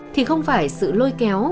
thì không phải sự lôi kéo